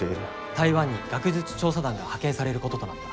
台湾に学術調査団が派遣されることとなった。